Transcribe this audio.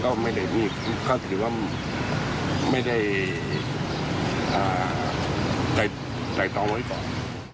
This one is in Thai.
เขาก็ไม่ได้มีเขาถือว่าไม่ได้อ่าไต่ตรองไว้ก่อน